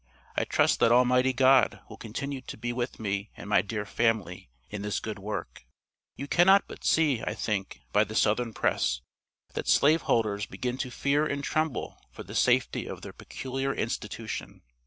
I trust that Almighty God will continue to be with me and my dear family in this good work." "You cannot but see, I think, by the southern press, that slave holders begin to fear and tremble for the safety of their 'peculiar institution.'